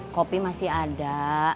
kopi masih ada